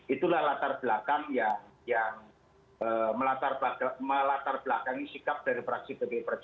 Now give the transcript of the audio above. itulah latar belakang yang melatar belakangi sikap dari fraksi pdi perjuangan